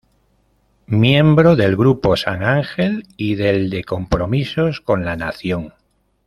Miembro del Grupo San Ángel y del de Compromisos con la Nación.